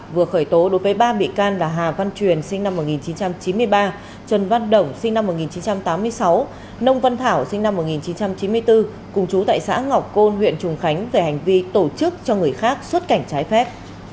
vừa khởi tố đối với ba bị can là hà văn truyền sinh năm một nghìn chín trăm chín mươi ba trần văn động sinh năm một nghìn chín trăm tám mươi sáu nông văn thảo sinh năm một nghìn chín trăm chín mươi bốn cùng chú tại xã ngọc côn huyện trùng khánh về hành vi tổ chức cho người khác xuất cảnh trái phép